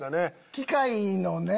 機械のね。